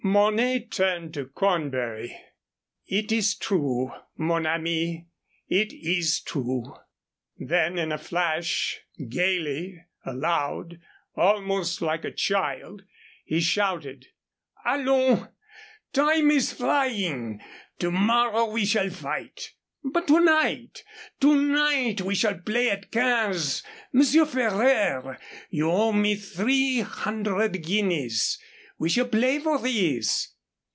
Mornay turned to Cornbury. "It is true, mon ami it is true." Then, in a flash, gayly, aloud, almost like a child, he shouted: "Allons, time is flying. To morrow we shall fight, but to night to night we shall play at quinze. Monsieur Ferraire, you owe me three hundred guineas. We shall play for these.